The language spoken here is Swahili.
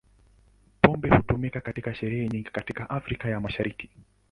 Pombe hutumika katika sherehe nyingi katika Afrika ya Mashariki.